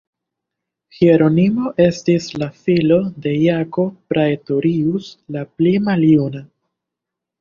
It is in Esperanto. Hieronimo estis la filo de Jacob Praetorius la pli maljuna.